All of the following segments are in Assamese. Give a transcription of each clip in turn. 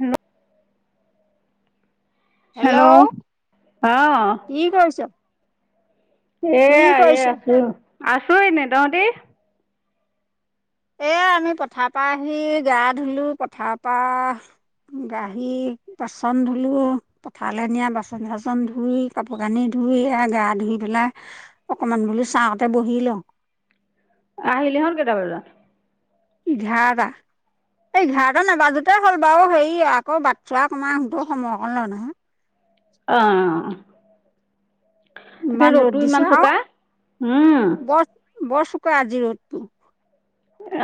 হেল্ল' হেল্ল' অ' কি কৰিছ? কি এয়া এ কৰিছ আছো, আছো এনেই তহতি? এ আমি পথাৰ পৰা আহি গা ধুলো পথাৰ পৰা আহি বাচন ধুলোঁ। পথাৰলৈ নিয়া বাচন চাচন ধুই কাপোৰ কানি ধুই গা ধুই পেলাই অকমান বোলো ছাহতে বহি লওঁ। আহিলি হল কেইটা বজাত। ইঘাৰটা। এঘাৰটা নাবাজোতে হ'ল বাৰু হেৰি আকৌ বাটছোৱা কমাৰ সতো সময় অকণ লয় নহয়। অ', তাকে ইমান ৰ'দ ৰ'দটো দিছে ইমান আৰু চোকা উম। বৰ বৰ চোকা আজি ৰ'দতো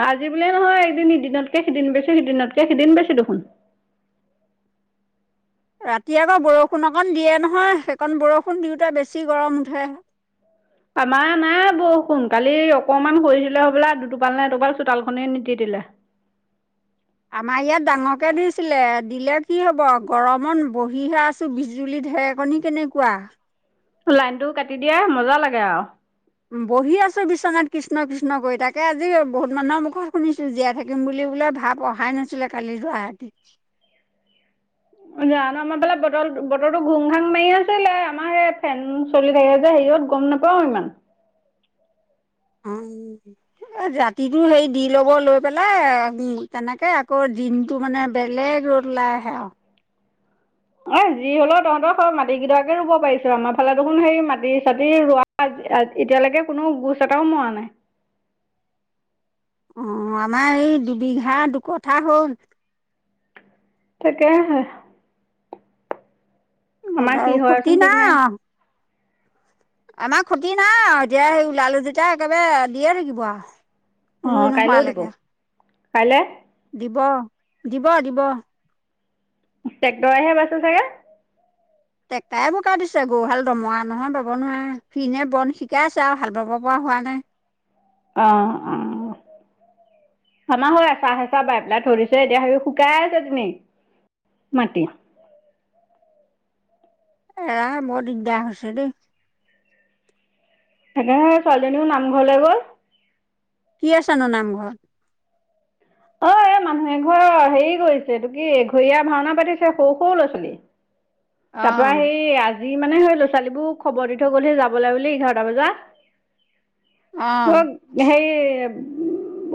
আজি বোলে নহয় এদিন সদিনতকে সিদিন বেছি সিদিনতকে সিদিন বেছি দেখোন। ৰাতি আকৌ বৰষুণ অকণ দিয়ে নহয় সেইকণ বৰষুণ দিওঁতে বেছি গৰম উঠে। আমাৰ নাই বৰষুণ কালি অকমান সৰিছিলে হবলা দুটোপাল নে এটোপাল চোতালখনে নিতিতিলে। আমাৰ ইয়াত ডাঙৰকে দিছিলে দিলে কি হব গৰমত বহিহে আছ বিজুলী ঢেৰেকণী কেনেকুৱা? লাইন টো কাটি দিয়ে মজা লাগে আও। বহি আছো বিচনাত কৃষ্ণ কৃষ্ণ কৰি তাকে আজি বহুত মানুহৰ মুখত শুনিছো জীয়াই থাকে। থাকিম বুলি বোলে ভাৱ অহাই নাছিলে কালি গুৱাহাটীত। জানো আমাৰ ফালে বতৰ বতৰটো ঘুং ঘাং মাৰি আছিলে আমাৰ সেই ফেন চলি থাকে যে হেৰিয়ত গম নাপা পাও ইমান। উম এ ৰাতিটো হে দি ল'ব লৈ পেলাই তেনেকে আকৌ দিনটো মানে বেলেগ ৰদ। ওলাই আহে আৰু। অ' যি হলেও তহঁতৰ মাটি কেইটাকে ৰুব পাৰিছো আমাৰ ফালে দেখোন সেই মাটি চাটি ৰোৱা এতিয়ালৈকে কোনো গোচ এটাও মৰা নাই। অ', আমাৰ এই দুবিঘা দুকথা হ'ল। তাকে হে ম ত আমাৰ কি খুটি হয়চোন ঠিক না। নাই আমাৰ ষতি নাই আৰু এতিয়া সেই ওলালো যেতিয়া একেবাৰে দিয়ে থাকিব আৰু। ৰুই অ' কাইলৈও দিব নোহোৱালৈকে কাইলৈ। দিব, দিব দিব। ট্ৰেক্টৰেহে বাইছে চাগে। ট্ৰেক্টৰে বোকা দিছে গৰুহাল দমৰা নহয় বাব নোৱাৰে ফিনে বন চিকাই আছে আৰু হাল বাব পৰা হোৱা নাই। অ অ। আমাৰ হৈ আছা হে চা বাই পেলাই ধৰিছ এতিয়া সাবি শুকাই আছে তেনি মাতি। এৰা বৰ দিগদাৰ হৈছে দেই। সেকাৰনে ছোৱালীজনীও নামঘৰলৈ গ'ল। কি আছানো নামঘৰত। [unintelligible] এ! ঘৰ হেৰি কৰিছে তোক কি এঘৰীয়া ভাওনা পাতিছে সৰু, সৰু ল'ৰা- ছোৱালী। তাৰ পৰা অঁ সেই আজি মানে সেই ল'ৰা ছোৱালীবোৰ খবৰ দি থৈ গ'লহি যাবলৈ বুলি এঘাৰটা বজাত। অঁ তই হেৰি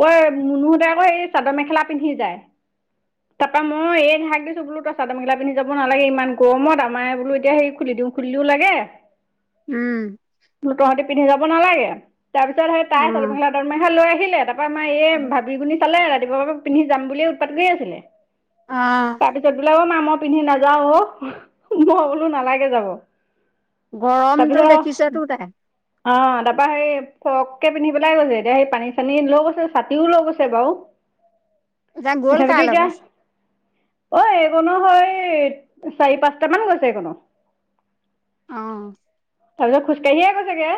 বই মুনুহতে আকৌ এই। চাদৰ মেখেলা পিন্ধি যায়। [inaudible] তাপৰা মই এইক হাক দিছো বোলো তই চাদৰ মেখেলা পিন্ধি যাব নালাগে ইমান গৰমত আমাৰে বোলো এতিয়া হে খুলি দিওঁ। খুলিদিও লাগে। উম বোলো তহতি পিন্ধি যাব নালাগে, তাৰ পিছত সেই তাই চাদ অঁ মেখেলা। ৰ মেখা লৈ আহিলে তাৰপা আমাৰ এই ভাবি গুণি চালে ৰাতিপুৱাৰ পৰা পিন্ধি যাম বুলিয়ে উৎপাত কৈ আছিলে। আ'। তাৰ পিছত বোলে অ' মা মই পিন্ধি নাযাও অ' মই বোলো নালাগে যাব। গৰমতটো তাৰপিছত দেখিছে তো তাই। অ! তাৰাপা সেই ফৰকে পিন্ধি পেলাই গৈছে, এতিয়া সেই পানী- চানী লৈ গৈছে চাতিও লৈ গৈছে বাৰু। এতিয়া গ'ল তথাপিটো কাৰ এতিয়া। লগত অ' এইকণো হয় চাৰি, পাঁচটা মান গৈছে এইকণো। উ'ম। তাৰ পিছত খোজকাঢ়িয়ে গৈছেগে।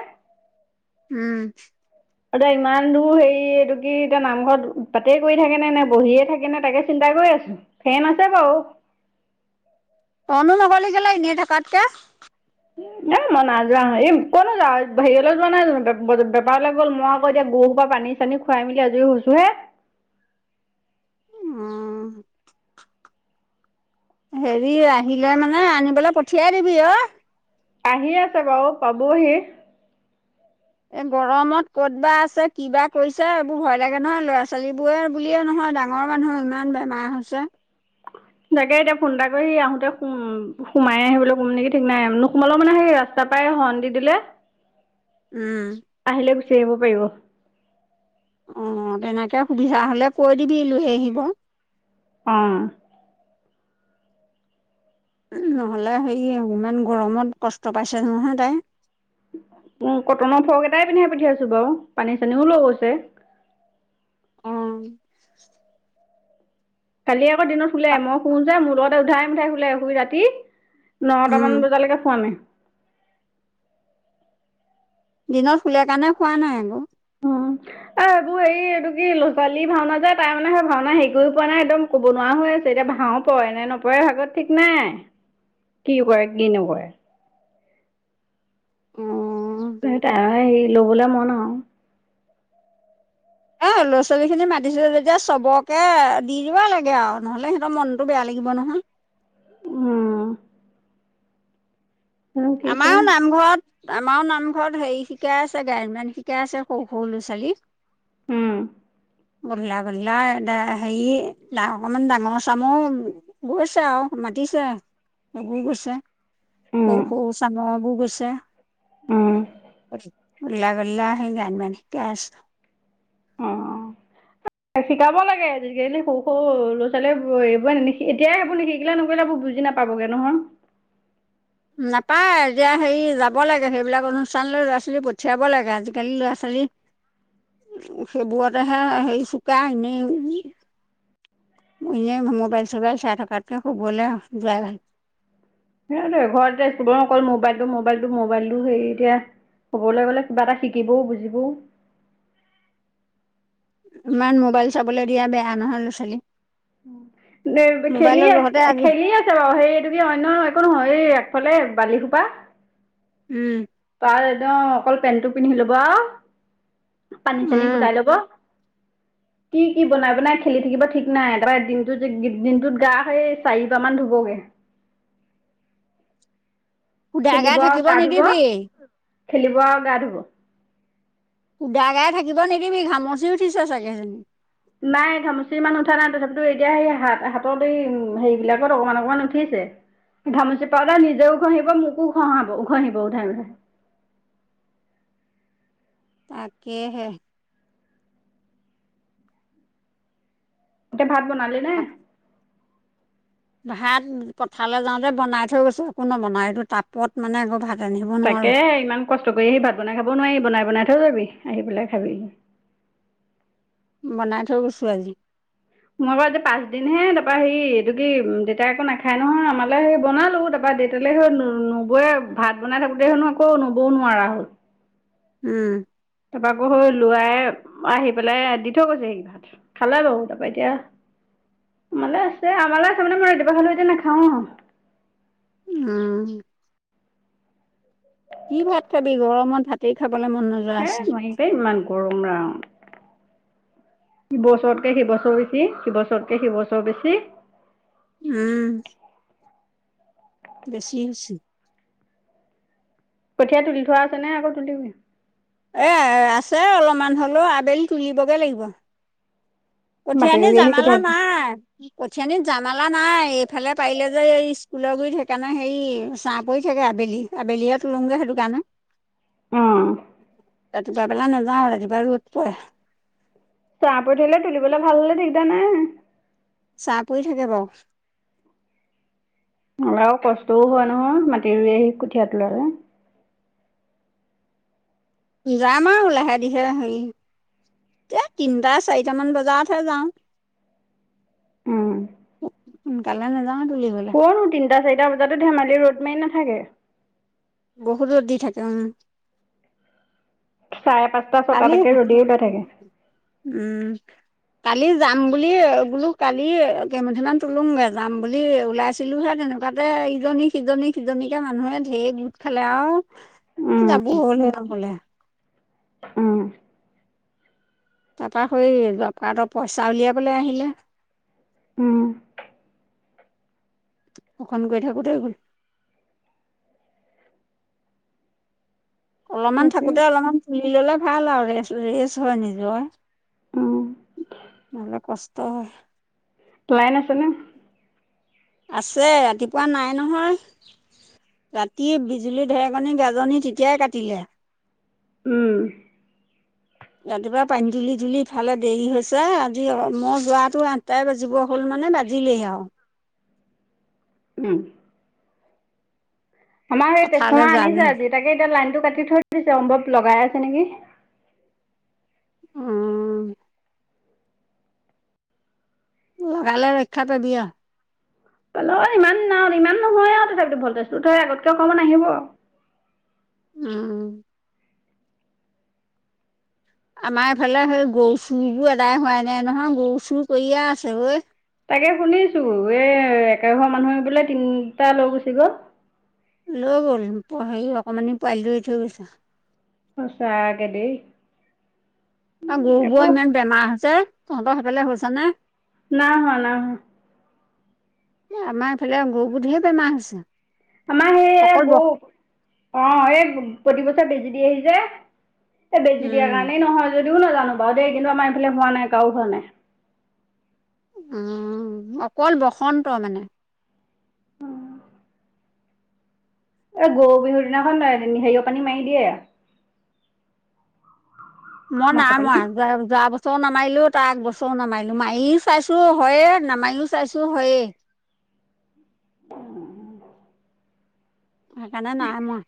উ'ম। এতিয়া ইমান দূৰ হেৰি এইটো কি এতিয়া নামঘৰত তাতে কৰি থাকে নে নে বহিয়ে থাকে নে তাকে চিন্তা কৰি আছো, ফেন আছে বাৰু। ত‌ইনো নগলি কেলে এনেই থকাতকৈ। এ! মই নাযোৱা এই কোনো যাওঁ হেৰিয়লৈ যোৱা নাই বেপাৰলৈ গ'ল মই আকৌ এতিয়া গৰু সোপা পৰা পানী পানী খোৱাই মেলি আজৰি হৈছো হে। উ'ম। হেৰি আহিলে মানে আনিবলৈ পঠিয়াই দিবি ঔ। আহি আছে বাৰু পাবহি। এ! গৰমত ক'ত বা আছে, কিবা কৰিছে এইবোৰ ভয় লাগে নহয় ল'ৰা - ছোৱালীবোৰে বুলিয়ে নহয় ডা ঙৰ মানুহো ইমান বেমাৰ হৈছে। তাকে এতিয়া ফোন এটা কৰি আহোতে সোম সোমাই আহিবলৈ নেকি ঠিক নাই নোসোমালোও মানে সেই ৰাস তাৰপৰা হন্দি দিলে। উ'ম। আহিলে গুচি আহিব পাৰিব। অ' তেনেকে সুবিধা হলে কৈ দিবি লৈ আহিব। উ'ম। নহ'লে হেৰি ইমান গৰমত কষ্ট পাইছে নহয় তাই। কটনৰ ফ্ৰক এটাই পিন্ধাই পঠিয়াইছো বাৰু পানী- চানীও লৈ গৈছে। উ'ম। কালিয়ে আকৌ দিনত শুলে, মই শুও যে মোৰ লগতে উধাই মুঠাই শুলে ৰাতি। নটামান উম। বজালৈকে শুৱা নাই। দিনত খুলে কাৰণে শুৱা নাই আকৌ। এ! এইবোৰ হেৰি এইটো কি লৰা - ছোৱালী ভাওনা যায় তাই মানে সেই ভাওনা হেৰি কৰি পোৱা নাই একদম আকৌ বনোৱা হৈ আছে, এতিয়া ভাও পৰেনে নপৰে ভাগত ঠিক নাই। কি কৰে, কি নকৰে? অ' টো সেইটাই হেৰি লবলৈ মন আৰু। এ! ল'ৰা - ছোৱালীখিনি মাতিছিলো যেতিয়া চবকে দি দিব লাগে আৰু নহলে সিহঁতৰ মনটো বেয়া লাগিব নহয়। উ'ম। জানো কি কৰে আমাৰো নামঘৰত আমাৰো নামঘৰত হেৰি শিকাই আছে গায়ন - বায়ন শিকাই আছে সৰু, সৰু ল'ৰা - ছোৱালীক। উ'ম। গধলা গধলা দা হেৰি লাহ অকমান ডাঙৰ চামৰ গৈছে আৰু মাতিছে বৈ গৈছে। উম। সৌ চাম বোৰ আছে। উম উল্লা, গল্লা সেই জানমান কেছ। অ [unintelligible] শিকাব লাগে, এইজনীকে এই সৰু সৰু ল'ৰা- ছোৱালীয়ে এইবোৰ এতিয়াই আবোৰ নিশিকিলে নকৰিলে বু বুজি না পাবগে নহয়। নাপায় এতিয়া হেৰি যাব লাগে, সেইবিলাক অনুষ্ঠান ল ল'ৰা - ছোৱালী পঠিয়াব লাগে আজিকালি ল'ৰা - ছোৱালী সেইবোৰতেহে হেৰি চোকা এনেই। এনে মোবাইল চোবাইল চাই থকাতকে শুবলৈ যাই ভাল। সেইটোৱে ঘৰতে স্কুলৰ অকল মোবাইলটো মোবাইলটো মোবাইলটো হেৰি এতিয়া ক'বলৈ গ'লে কিবা এটা শিকিবও বুজিবও। ইমান মোবাইল চাবলৈ দিয়া বেয়া নহয় ল'ৰা- ছোৱালী। এ খেলি মোবাইলৰ জহতে আ আজি খেলি আ চল সেই এইটো কি অন্য একো নহয় এই একফালে বালিসোপা উম। তাৰ একদম অকল পেণ্টটো পিন্ধি লব, পানী চানী গোটাই লব। [inaudible] কি কি বনাই বনাই খেলি থাকিব ঠিক নাই, তাৰপৰা দিনটোত দিনটোত গা সেই চাৰিবাৰ মান ধুবগে। সোধা গাই খেলিব আৰু থাকিব গা ধুব, নিদিবি খেলিব আৰু গা ধুব সুদা গাই থাকিব নিদিবি ঘামৰচি উঠিছে চাগেজনী। নাই ঘামৰচি ইমান উঠা নাই তথাপিতো এতিয়া সেই হাত হাতত এই হেৰি বিলাকত অকমান অকমান উঠিছে। ঘামৰচি পাউদাৰ নিজেও ঘঁহিব, মোকো ঘঁহাব উ ঘঁহিব উধাই উধাই। তাকেইহে এতিয়া ভাত বনালে নে ভাত পথালৈ যাওঁতে বনাই থৈ গৈছো একো নবনাই এইটো তাপত মানে আকৌ ভাত ৰান্ধিব নোৱাৰো তাকে ইমান কষ্ট কৰি আহি ভাত বনাই খাব নোৱাৰি বনাই বনাই থও যাবি আহি পেলাই খাবি বনাই থৈ গৈছো আজি মই বাৰু এতিয়া পাঁচ দিন হে তাপা সেই এইটো কি দেতাই একো নাখায় নহয় আমালে সেই বনালো তাৰপৰা তেতিয়াহলে নবয়ে ভাত বনাই থাকোতে হেনো আকৌ নবও নোৱাৰা হ'ল। উম। তাৰপৰা আকৌ সৌ লোৱাই আহি পেলাই দি থৈ গৈছে সি ভাত। খালে বাৰু তাৰাপা এতিয়া আমালৈ আছে, আমালৈ আছে মানে মই ৰাতিপোৱা খালো এতিয়া নাখাওঁ। উম। কি ভাত খাবি গৰমত ভাতেই খাবলৈ মন নোযোৱা হৈছে। পে ইমান গৰম ৰাম। সি বছৰতকে সি বছৰ বেছি, সি বছৰতকে সি বছৰ বেছি। উম। বেছি হৈছে। কঠিয়ীয়া তুলি থোৱা আছে নে আক তুলিবি। এ আছে অলপমান হ'লেও আবেলি তুলিবগৈ লাগিব। কঠিয়া মাটি এনেই ৰুই আহি জমালা কঠীয়া নাই। কঠিয়ানিত জামালা নাই এইফালে পাৰিলে যে এই স্কুলৰ গুৰিত সেইকাৰণে হেৰি চাহ। পৰি থাকে আবেলি আবেলিয়ে, তোলোং‌ যে সেইটো কাৰণে। অঁ দুটা বেলা নাযাওঁ ৰাতিপা ৰ'দ পৰে। চাহ পৰি থাকিলে, তুলিবলৈ ভাল হলে দিগদাৰ নাই। চাহ পৰি থাকে বাৰু। আৰু কষ্টও হয় নহয়, মাটি ৰুই আহি কঠীয়া তোলালে। যাম আৰু লাহে দেহিয়ে হেৰি- এ তিনটা চাৰিটামান বজাতহে যাওঁ। উম সোনকালে নাজাওঁ তোলিবলে। অ তিনিটা চাৰিটা বজাতো ধেমালি ৰদ মাই নাথাকে, বহুত ৰ'দ দি থাকে অ চাৰে পাঁচটা কালি ছটালৈকে ৰদেই ওলাই থাকে উম কালি যাম বুলি বোলো কালি কেইমুথি মান তোলোংগে যাম বুলি ওলাইছোঁ, ছিলো হে তেনেকুৱাতে ইজনী সিজনী সিজনীকে মানুহে ঢেৰ গোট খালে আৰু উম, যাব হ'ল বোলে উ তাৰপৰা সেই জব কাৰ্ডৰ পইচা উলিয়াবলৈ আহিলে, উম, সেইখন কৰি থাকোতে গ'ল। অলপমান তাকে থাকোতে অলপমান তুলি ললে ভাল আৰু ৰেচ হয় নিজৰ উম, নহলে কষ্ট হয় লাই ন আছে নে? আছে ৰাতিপুৱা নাই নহয়। ৰাতি বিজুলী ঢেৰেকণী গাজনি তেতিয়াই কাটিলে। উম ৰাতিপুৱা পানী তুলি তুলি ইফালে দেৰি হৈছে আজি মই যোৱাটো আ আঠতাই বাজিব হ'ল মানে বাজিলেই আৰু উঁ আমাৰ সেই পথাৰলৈ তেজপমা যোৱালে আনিছে আজি তাকে এতিয়া লাইনটো কাটি থৈ দিছে সম্ভৱ লগাই আছে নেকি? অ লগালে ৰক্ষাটো দিয়ে হ'লেও ইমান ন ইমান নহয় আৰু তথাপিতো ভলটেজটো তহ আগতকৈ অকণমান আহিব অ আমাৰ এইফালে সেই গৰু চুৰবোৰ এদাই হোৱাই নাই নহয় গৰু চুৰ কৰিয়ে আছে ঐ তাকে শুনিছোঁ এই একে ঘৰ মানুহে বোলে তিনিটা লৈ গুচি গ'ল। লৈ গ'ল হেৰি অকণমানি পোৱালিটো এৰি থৈ গৈছে। সচাকে দেই ত একো গৰুবোৰ ইমান বেমাৰ হৈছে তহঁতৰ সেইফালে হৈছে নে? নাই হোৱা নাই হোৱা। আমাৰ এইফালে গৰু বোৰ ধেৰ বেমাৰ হৈছে আমাৰ সেই অকল গৰু বস অ এই প্ৰতিবছৰ বেজি দিয়ে হি যে এই বেজি দিয়াৰ উম কাৰণেই নহয় যদিও নাজানো বাৰু দেই কিন্তু আমাৰ এইফালে হোৱা নাই কাৰো হোৱা নাই। উ অকল বসন্ত মানে এই গৰু বিহুৰ দিনাখন ন হেৰিয় পানী মাৰি দিয়ে মই নাই মাছৰ পানী মৰা যোৱা বা বছৰ বছৰ নামাৰিলোঁ তাৰ আগ বছৰো নামাৰিলোঁ মাৰিও চাইছোঁ হয়ে নামাৰিও চাইছোঁ হয়েই উম উ সেইকাৰণে নাইমৰা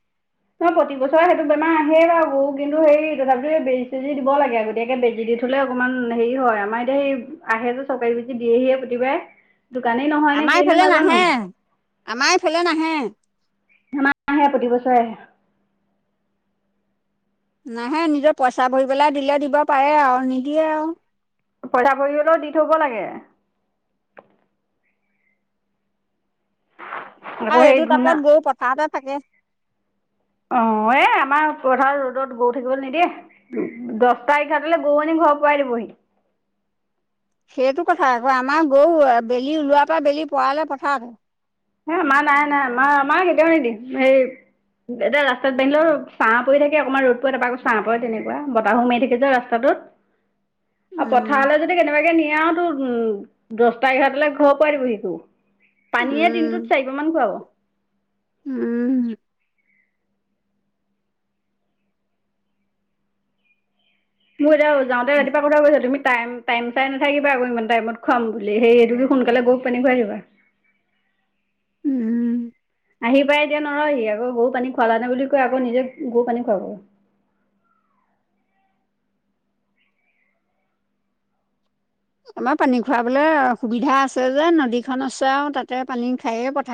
নহ প্ৰতি বছৰে সেইটো বেমাৰ আহে বাৰু কিন্তু সেই তথাপিও বেজি চেজি দিব লাগে আগতিয়াকে বেজী দি থলে অকমান হেৰি হয় আমাৰ এতিয়া সেই আহে যে চৰকাৰী বুজি দিয়েহিয়ে প্ৰতিবাই দোকানেই নহয় নে আমাৰ কি নে এইফালে নাজানো নাহে আমাৰ এইফালে নাহে আমাৰ আহে প্ৰতিবছৰে আহে নাহে নিজৰ পইচা ভৰি পেলাই দিলে দিব পাৰে আৰু নিদিয়ে আৰু। পইছা পৰিগলৈও দি থব লাগে। আকৌ আৰু সেই এইটো ধূনা তাকত বৌ পথাৰতে থাকে। অ, এ আমাৰ পথাৰ ৰ'দত গৰু থাকিব নিদিয়ে। দছটা এঘৰতালৈ গৌ আনিম ঘৰ পুৱাই দিবহি। সেইটো কথা আকৌ আমাৰ গৰু বেলি ওলোৱাৰ পৰা বেলি পাৰালে পথাৰটে হে আমাৰ নাই নাই আমাৰ কেতিয়াও নিদিয়ে এই এতিয়া ৰাস্তাত বান্ধিলেও ছাহ পৰি থাকে অকণমান ৰ'দ পোৱা তাৰ আকৌ চাহ পৰে তেনেকুৱা বতাহো মাৰি থাকে যে ৰাস্তাটোত [inaudible] আৰু উম। পথাৰলৈ যদি কেনেবাকে নিয়াও তো উম দছটা, এঘাৰটালে ঘৰ পুৱাই দিবহিটো পানীয়ে উম, দিনটোত চাৰি বাৰ মান খুৱাব। উম, মোৰ এতিয়া যাওঁতে ৰাতিপুৱা কৈ থৈ গৈছে তুমি টাইম টাইম চাই নাথাকিবা আক ইমান টাইমত খুৱাম বুলি সেই -সেইটোটো সোনকালে গৰুক পানী খোৱাই আহিবা। উম, আহি পায় এতিয়া নৰয়হি আকৌ গৰু পানী খোৱালানে বুলি কয় আকৌ নিজে গৰু পানী খুৱাব। আমাৰ পানী খুৱাবলৈ সুবিধা আছে যে নদীখন আছে আওঁ তাতে পানী খাইয়ে পঠায়।